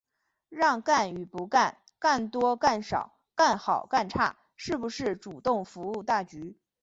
让干与不干、干多干少、干好干差、是不是主动服务大局、